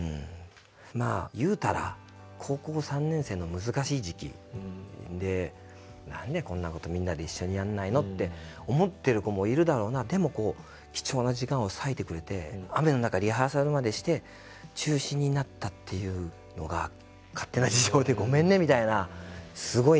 まあ言うたら高校３年生の難しい時期何でこんなことみんな一緒にやんないの？って思ってる子もいるだろうなでもこう貴重な時間を割いてくれて雨の中リハーサルまでして中止になったっていうのが勝手な事情でごめんねみたいなすごい悔しかったんですよね